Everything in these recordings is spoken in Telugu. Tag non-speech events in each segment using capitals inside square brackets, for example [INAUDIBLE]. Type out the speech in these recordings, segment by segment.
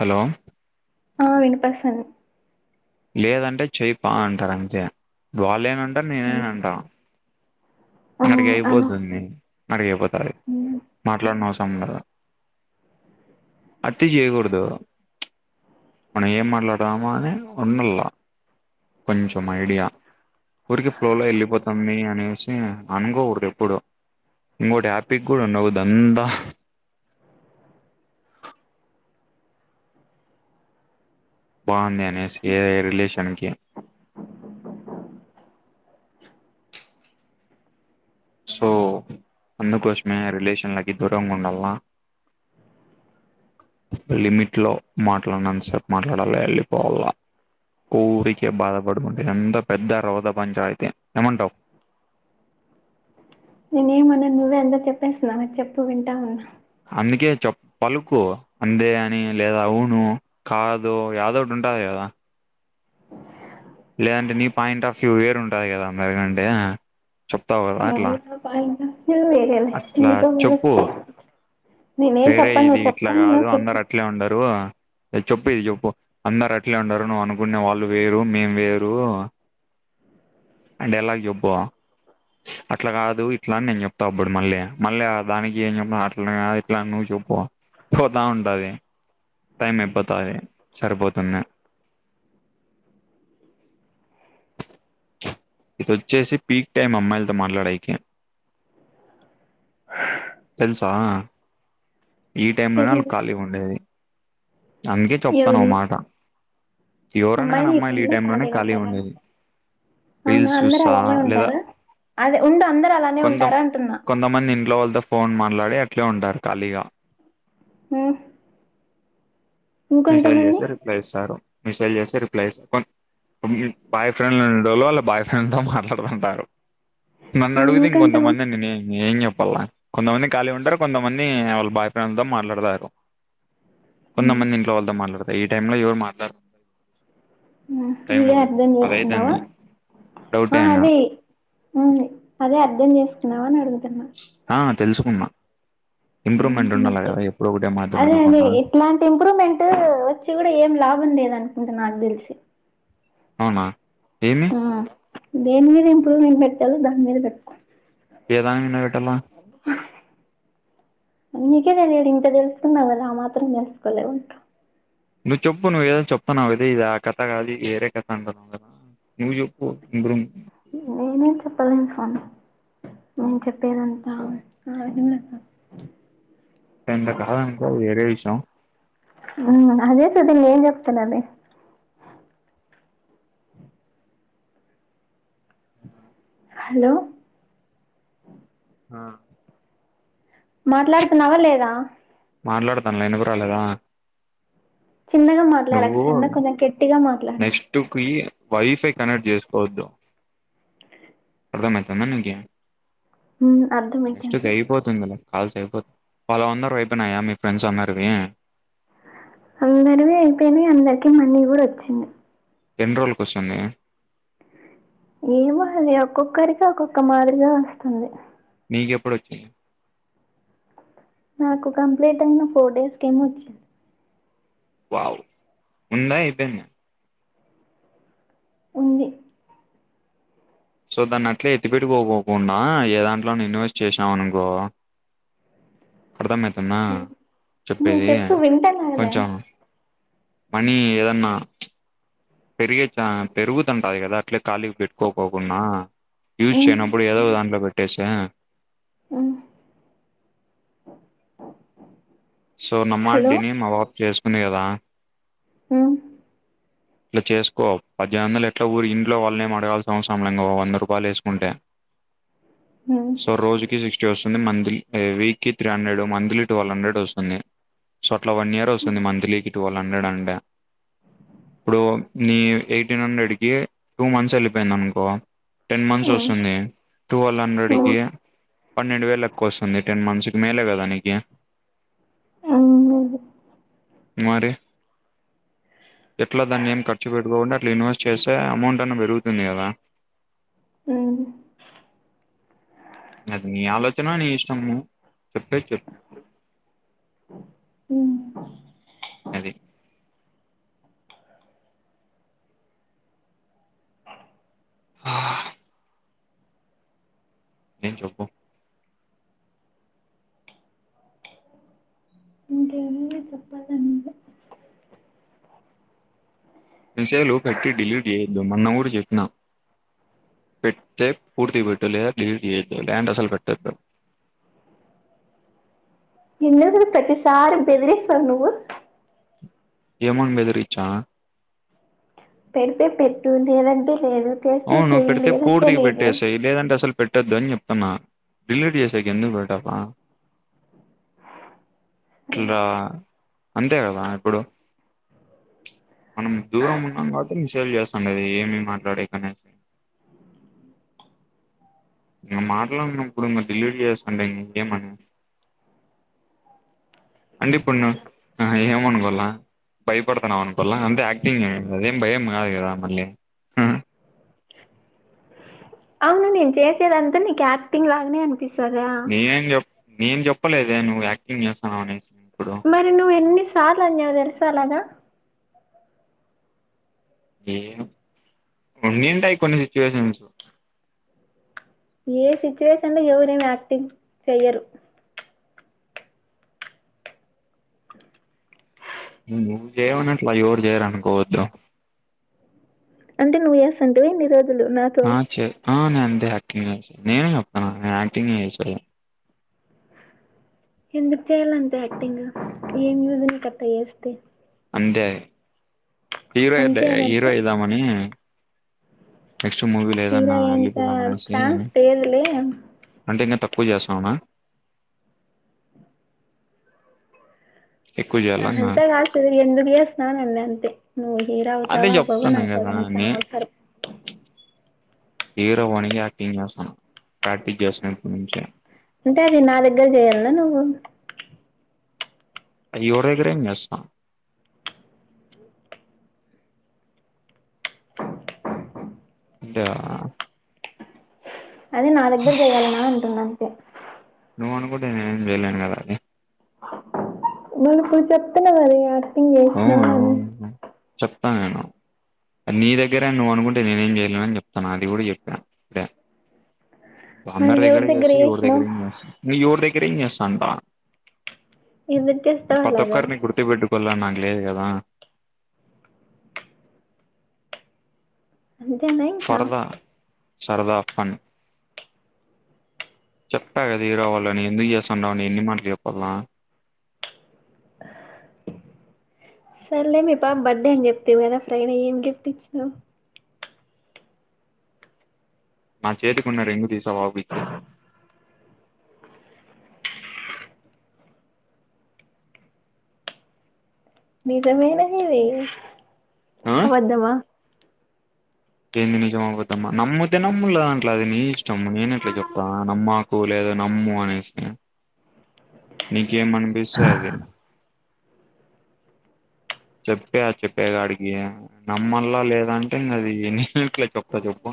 హలో ఆ వినుప సన్ లేదంటే చెయిపా అంటారు అంతే వాళ్ళేనంటారు ఉమ్ నేనేని అంటా, ఆ అడికి అను అయిపోతుంది, అడికియిపోతారు ఉమ్ మాట్లాడిన అవసరం కదా, అత్తి చేీయకూడదు. మనం ఏం మాట్లాడము అని ఉండలా, కొంచెం ఐడియా ఊరికి ఫ్లోలో వెళ్ళిపోతమ్మి అనేసి, అనుకోకూడదు ఎప్పుడు ఇంకోటి హ్యాపీకి కూడా ఉండవదు అందా. బాగుంది అనేసి ఏ రిలేషన్ కి సో అందుకోసమే రిలేషన్లకి దూరంగా ఉండాలా. లిమిట్ లో మాట్లాడినంత సేపు మాట్లాడాలి వెళ్ళిపోవాలా. ఊరికే బాధపడుకుంట ఇదంతా పెద్ద రోద పంచాయితీ ఏమంటావు నేనేం అనను నువ్వే అంత చెప్పేస్తున్నావే చెప్పు వింటావున్నా అందుకే చెప్ పలుకు అందే అని లేదా ఊను కాదు యాదో ఒకటి ఉంటది కదా లేదంటే నీ పాయింట్ ఆఫ్ వ్యూ వేరు ఉంటది కదా మరగంటే [UNINTELLIGIBLE] పాయింట్ ఆఫ్ వ్యూ లే లే అట్లా నీతో చెప్పు [UNINTELLIGIBLE] నేనేం చెప్పను నువ్వు చెప్తాన్నావ్ చెప్పు ట్లే ఉండరు ఏ చెప్పు ఇది చెప్పు అందరు అట్లే ఉండరు నువ్వు అనుకునే వాళ్ళు వేరు మేం వేరు ఆ డైలాగ్ చెప్పు అట్లా కాదు ఇట్లా అని నేను చెప్తా అప్పుడు మళ్ళీ మళ్ళీ ఆ దానికి ఏం చెప్ అట్లానే గాద్ ఇట్లా అని నువ్వు చెప్పు పోతా ఉంటది టైం అయిపోతది సరిపోతుంది ఇది వచ్చేసి పీక్ టైమ్ అమ్మాయిలతో మాట్లాడేకి తెలుసా ఈ టైమ్ లోనే ఆళ్లు తెలీదు ఖాళీగా ఉండేది అందుకే చెప్తాను ఎవరు ఒక మాట ఎవరన్నా గాని అమ్మాయిలు ఈ టైమ్ లోనే ఖాళీగా ఉండేది అవునా రీల్స్ అందరు చూస్తా అలానే లేదా ఉంటారు అదే ఉండు అందరు అలానే కొంతం ఉంటారా అంటున్నా కొంతమంది ఇంట్లో వాళ్ళతో ఫోన్ మాట్లాడి అట్లే ఉంటారు ఖాళీగా ఊ మిసైల్ చేస్తే రిప్లై ఇస్తారు మిసైల్ చేస్తే రిప్లై ఇస్తారు కొంత్ బాయ్ ఫ్రెండ్లు ఉండేటోళ్ళు వాళ్ బాయ్ ఫ్రెండ్తో మాట్లాడుతుంటారు ఉమ్ నన్నడుగుతే ఇంకొంత ఇంకొంతమంది మందిని నేనేం ఏం జెప్పల్లా కొంతమంది ఏం ఖాళీ ఉంటారు కొంతమంది వాళ్ళ బాయ్ ఫ్రెండ్తో మాట్లాడతారు ఉమ్ కొంతమంది ఇంట్లో వాళ్ళతో మాట్లాడతయి ఈ టైంలో ఎవరు మాట్లాడ్ ఆ ఇదే అర్థం చేసుకున్నావా పదైతుంది డౌటే ఆ అన్నా అదీ ఊలే ఆ అదే అర్ధం చేసుకున్నావ అని అడుగుతున్నా ఆ తెలుసుకున్నా ఇంప్రూవ్మెంట్ ఉండాలి కదా ఎప్పుడు ఒకటే మాదిరి ఉండకుండా లాంటి ఇంప్రూవమెంట్ టు వచ్చి కూడా ఏం లాభం లేదనుకుంట నాకు తెలిసి అవునా ఏమి ఊ దేని మీద ఇంప్రూవ్మెంట్ పెట్టాలో దాని మీద పెట్టుకో ఏ దాని మీద పెట్టాలా నీకే తెలియాలి ఇంత తెలుసుకున్నావ్ కదా ఆ మాత్రం తెలుసుకోలేవా ఇంకా నువ్వు చెప్పు నువ్ ఏదో చెప్తున్నావు కద ఇది ఆ కథ కాదు ఇది ఏరే కథ అంటన్నావు కదా నువ్ చెప్పు ఇంప్రూ నేనేం చెప్పలేను స్వామి ఊ చెప్పు ఏదన్నా [INAUDIBLE] టెంద కాదనుకో అది వేరే విషయం ఊ అదే సుద్ది నేన్ జెప్తున్నానే హలో ఆ మాట్లాడుతున్నావా లేదా మాట్లాడుతాన్నా ఇనపరాలేదా చిన్నగా మాట్లాడకు సర్నా కొంచెం గట్టిగా మాట్లాడు టుకి వైఫై కనెక్ట్ చేసుకోవద్దు అర్థం అయితంద నీకి ఉ అర్ధం నెక్స్ట్ అయిపోతుందిలే కాల్స్ అయిపోతుంది వాలు అందరివీ అయిపోనాయా మీ ఫ్రెండ్స్ అందరివి అందరవి అయిపోయినాయి అందరికీ మనీ కూడా వచ్చింది ఎన్ని రోజులకు వచ్చింది ఏమో అది ఒక్కొక్కరికి ఒక్కొక్క మాదిరిగా వస్తుంది నీకెప్పుడు వచ్చింది నాకు కంప్లీట్ అయిన ఫోర్ డేస్ కేమో వచ్చింది వావ్ ఉందా అయిపోయింద ఉంది సో దాన్ని అట్లే ఎత్తి పెట్టుకోకోకుండా ఏ దాంట్లో అన్న ఇన్వెస్ట్ చేసాం అనుకో అర్థం అవుతుందా నువ్వు చెప్పేది చెప్పు వింటాను కదా కొంచెం మనీ ఏదన్నా పెరిగే కా పెరుగుతుంటది కదా అట్లే ఖాళీకి పెట్టుకోపోకున్న యూస్ ఉమ్, చేయనప్పుడు ఏదో ఒక దాంట్లో పెట్టేచ్చుగా ఉ సో నామ్మాంటిని మా బాబు చేసుకునే కదా ఉ ఇట్లా చేసుకో పద్దెమిదొందలు ఎట్లాగూ ఇంట్లో వాళ్ళనేం అడగాల్సిన అవసరం లేకుండే వంద రూపాయలు వేసుకుంటే [INAUDIBLE] ఉ సో రోజుకి సిక్స్టీ వస్తుంది మంత్లీ వీక్ కి three hundred monthly twelve hundred వస్తుంది సో అట్లా వన్ ఇయర్ ఉమ్, వస్తుంది మంత్లీకి ట్వెల్ హండ్రెడ్ అంటే ఇప్పుడు నీ ఎయిటీన్ హండ్రెడ్ కి టూ మంత్స్ వెళ్ళిపోయింది అనుకో టెన్ మంత్స్ వస్తుంది ట్వెల్ హండ్రెడ్ కి ఉమ్, పన్నెండు వేలు ఎక్కువ వస్తుంది అ టెన్ మంత్స్ కి మేలే కదా నీకి ఉమ్ మరి ఎట్లా దాన్ని ఏం ఖర్చు పెట్టుకోకుంటే అట్లా ఇన్వెస్ట్ చేస్తే అమౌంట్ అన్నా పెరుగుతుంది కదా ఉమ్ అది నీ ఆలోచన నీ ఇష్టము చెప్పేది చెప్ప ఉ అది ఆ ఇంకేం చెప్పు ఇంకేమున్నది చెప్పడాని మెసేజ్లు పెట్టి డిలీట్ చేయొద్దు మొన్న కూడా చెప్పిన పెట్టుతే పూర్తిగ పెట్టు లేదా డిలీట్ చేయొద్దు లేదంటే అసలు పెట్టొద్దు ఎన్నిరోజులు ప్రతిసారి బెదిరిస్తవ్ నువ్వు ఏమని బెదిరిచ్చా పెడితే పెట్టు లేదంటే లేదు చేస్తే అవును చేయి పెడితే లేదంటే పూర్తిగా లేదు పెట్టేేసెయి లేదంటే అస్సలు పెట్టొద్దు అని చెప్ప అన్న డిలీట్ చేసేకీ ఎందుకు పెట్టాల అట్లారా అంతే కదా ఇప్పుడు మనం దూరం ఉన్నాం కాబట్టి షేర్ చేస్తాండది ఏమేమి మాట్లాడే అని [UNINTELLIGIBLE] వ్ మాట్లాడినప్పుడు అన డిలీట్ చేస్తుంటే ఇంకేం అనాలి అంటే ఇప్పుడు ఏమనుకోలా భయపడుతున్నావు అనుకోల అంటే యాక్టింగ్ ఏ అదేం భయం కాదు కదా మళ్ళీ అవును నేను చేసేదంతా నీకు యాక్టింగ్ లాగానే అనిపీస్ నేనేం చె నేను చెప్పలేదే నువ్వు యాక్టింగ్ చేస్తాను అనేసి ఇప్పుడు మరి నువ్వు ఎన్నిసార్లు అన్నావు తెలుసా అలాగ ఉనింటాయి కొన్ని సిచ్యువేషన్స్ ఏ సిచ్యువేషన్ లో ఎవరేమి యాక్టింగ్ చెయ్యరు నువ్వు చేయవని అట్ల ఎవరు చేయర అనుకోవద్దు అంటే నువ్వు [UNINTELLIGIBLE] ఇన్ని రోజులు నా ఆ నేను అంతే యాక్టింగ్ చేసాను నేనే చెప్తాను నేను యాక్టింగ్ చేసాను ఎందుకు చేయాల అంత యాక్టింగ్ ఏం యూస్ అట్ల చేస్తే అంతే హీరో హీరో అంతేదంటే అయిదం అని నెక్స్ట్ మూవీ లో హీరో ఏదైన అయ్యేంత వెళ్ళిపోదాం అనేసి ఛాన్స్ లేదులే అంటే ఇంక తక్కువ చేస్త [UNINTELLIGIBLE] ఎక్కువ చేయాలన్నా [UNINTELLIGIBLE] కాదు అసలు ఎందుకు చేస్తున్నావ్ అన్న అంతే నువ్వు హీరో అవుతావ అదే [UNINTELLIGIBLE] నాకు అధి అంతా అనవసరం హరో అవనికి యాక్టింగ్ చేస్తాను ప్రాక్టీస్ చేస్తున ఇప్పడు నుంచే అంటే అది నా దగ్గర చేయాలన్న నువ్వు అది ఎవరి దగ్గరైన చేస్త అంటే అది నా దగ్గర చేయాలన్న అంటున్న అంతే నువ్వు అనుకుంటే నేనేం చేయలేను కద అది మళ ఇప్పుడు చెప్తున్నావు కదా యాక్టింగ్ చేసిన అని చెప్త నేను నీ దగ్గరేని నువ్వు అనుకుంటే నేనేం చేయలేన అని చెప్తాను అది కూడా చెప్పాను అదే మళ్ళీ అందరి దగ్గర ఎవరి చేస్త ఎవరి చేసినావు దగ్గరైనా చేస్త నువు ఎవరి దగ్గర ఏం చేస్తాంట ఎదురు చేస్తావు ప్రతి అలాగా ఒక్కరిని గుర్తుపెట్టు [UNINTELLIGIBLE] లేదు కదా అం [UNINTELLIGIBLE] సరద సరదా ఫన్ చెప్పా కదా హరో అవ్వాలని ఎందుకు చేస్తుాండవుని ఎన్ని మటలు చెప్ప సరేలే మీ పాప బర్త్డే అని చెప్తాం కదా ఫ్రైడే ఏ గిఫట్ ఇచ్చినావు నా చేతికున్న రింగ్ తీసి [UNINTELLIGIBLE] నిజమేనా హ ఆ అవద్దమ్మా ఏంది నిజమవుద్దామ్మా నమ్ముతే నమ్ము లేదంటే లేదు అది నీ ఇష్టము నేను ఎట్లా చెప్త నమ్మ [UNINTELLIGIBLE] లేదో నమ్ము అనేసి నీకేమి అనిపిస్తే అది చెప్పే చెప్పేగాడికి నమ్మల్లా లేదంటే ఇంకా అది ఎన్నిట్లే చెప్తా చెప్పు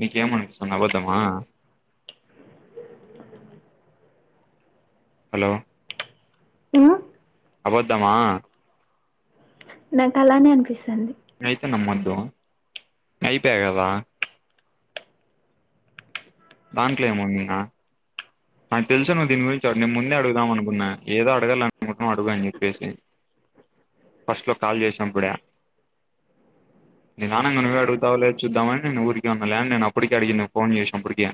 నీకి ఏమి [UNINTELLIGIBLE] అబద్ధమా హలో ఉమ్, అబద్దమా నాకు అలానే అనిపిస్తుంది అయితే నమ్మొద్దు అయిపోయ కదా దాంట్లో ఏముందిగ నాకు తెలుసు నువ్ దీని గురించి ని ముందే అడుగుదాం అనుకున్నా ఏదో అడగలనుని అనుకుంటన్నావు అడుగు అని చెప్పసి ఫస్ట్ లో కాల్ చేసినప్పుడే మీ నాన్నని ఇంక నువ్వే అడుగుతావు లే చూద్దామని నేను ఊరికే ఉన్న, లేకుంటే నేను అప్పటికే అడిగిందును ఫోన్ చేసినప్పటికే.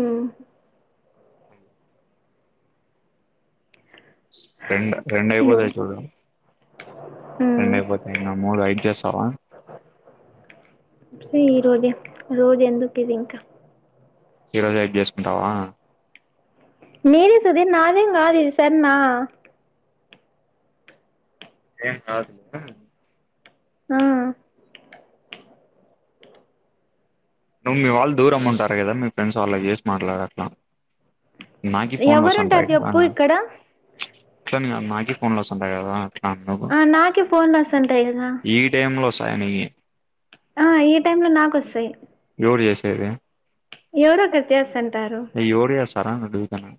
ఉమ్, అది రెండు రెండు ఉమ్, అయిపోతాయి చూడు ఉమ్. రెండయిపోతయి ఇంగ మూడు ఐదు చేస్తావా? ఈ రోజే. రోజు ఎందుకు ఇది ఇంక ఈ రోజె అయిపో చేసుకుంటావ? నీదే సుదీర్ నాదేం కాదిది సరేనా ఏం కాదులే ఆ నువ్వు మీ వాళ్ళు దూరం ఉంటారు కదా మీ ఫ్రెండ్స్ వాళ్ళకి చేసి మాట్లాడు అట్లా నాకి ఫోన్లు ఎవరుంటారు వస్తాంటాయి కదా చెప్పు ఇక్కడ అట్లని కాదు నాకి ఫోన్లు వస్తాంటాయి కదా అట్ల అన్న ఆ నాకి ఫోన్లు వస్తాంటాయి కదా ఈ టైమ్ లో వస్తాయా నీ ఆ ఈ టైం లో నాకి వస్తాయి ఎవరు చేసేది ఎవరో ఒకరు చేస్తాంటారు. ఎవరు చేస్తారా అని అడుగుతన్నా.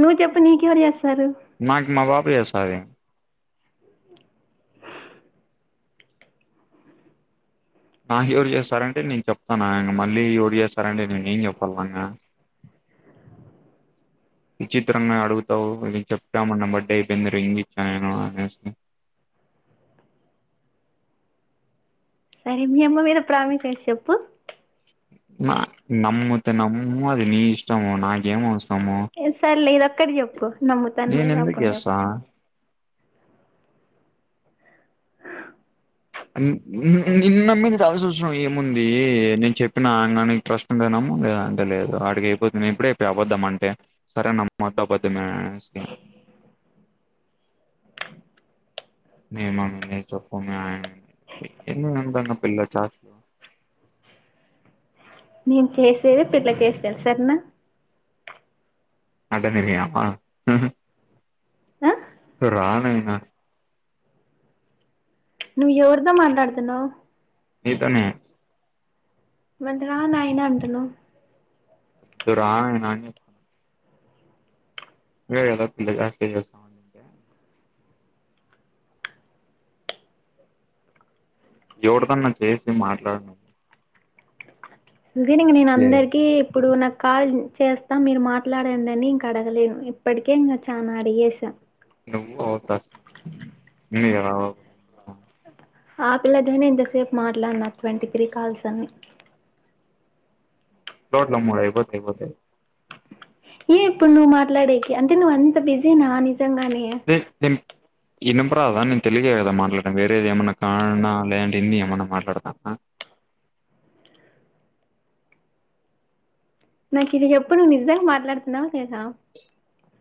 నువ్వు చెప్పు నీకెవరు చేస్తారు? నాకీ మా పాప చేస్తాది. నాకు ఎవరు చేస్తారంటే నేను చెప్తాన ఇంగ మళ్ళీ ఎవరు చేస్తారంటే నేను ఏం చెప్పల్ల ఇంగ విచిత్రంగా అడుగుతావు ఇవి చెప్తా మన్న బర్డే అయిపోయింది, రింగ్ ఇచ్చా నేను అనేసి. సరే మీ అమ్మ మీద ప్రామిస్ ఏసీ చెప్పు. నా నమ్ముతే నమ్ము అది నీ ఇష్టము, నాకేమి అవసరము ఏ సర్లే ఇదొక్కటి చెప్పు నమ్ముతానో నేను లేదో ఎందుకు అప్పుడు చెప్త చేస్తా మ్ నిన్ని నమ్మించాల్సోస్ అహ ఏముంది నేను చెప్పినా ఇంగ నీకి ట్రస్ట్ ఉంటే నమ్ము లేదంటే లేదు. ఆడికి అయిపోద్ నేను ఇప్పుడే టె అబద్ధం అంటే, సరే నమ్మొద్దు అబద్ధమే అనేసి మీ మమ్మీ మీద చెప్పు మీ అని, ఏంది మే అంతా ఇంగ పిల్ల చాష్టలు? నేను చేసేదే పిల్ల చేష్టలు సరేనా అడ్డం తిరిగినావా ఆ సరి రా నయినా నువ్వు ఎవరితో మాట్లాడుతున్నావు నీతోనే మరి రా నాయినా అంటున్నావ్ వద్దురా నాయన అని చెప్ నువ్వే కదా పిల్ల చేష్టలు చేస్తాం అన్ ఎవరితో అన్న చేసి మాట్లాడు నువ్ అంతెనె ఇంగ నేను చే అందరికి ఇప్పుడు నాక్ కాల్ చేస్తా మీరు మాట్లాడండి అని ఇంక అడగలేను ఇప్పటికే ఇంగ చానా అడిగేసా. నువ్వు అవకాశం ఇవ్వు మీ ఆవ్ ఆ పిల్లతోనే ఇంతసేపు మాట్లాడిన ట్వంటీ త్రీ కాల్స్ అన్ని డ్లమ్ము అయిపోతయ్ అయిపోతయ్ ఏ ఇప్పుడు నువ్వు మాట్లాడేకి, అంటే నువ్వు అంత బిజీ నా నిజంగానే? తెల్ ఇన్నంప్రాల నేను తెలిగే కదా మాట్లాడను, వేరేది ఏమన్నా కాన్నాడ లేదంట, హిందీ ఏమన్నా మాట్లాడతానా? నాకు ఇది చెప్పు నువ్వు నిజంగా మాట్లాడుతున్నావా లేదా?